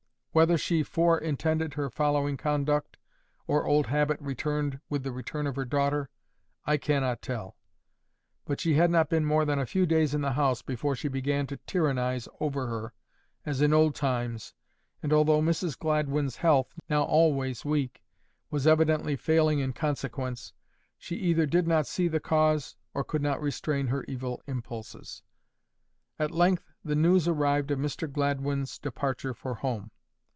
Whether she fore intended her following conduct, or old habit returned with the return of her daughter, I cannot tell; but she had not been more than a few days in the house before she began to tyrannise over her, as in old times, and although Mrs Gladwyn's health, now always weak, was evidently failing in consequence, she either did not see the cause, or could not restrain her evil impulses. At length the news arrived of Mr Gladwyn's departure for home.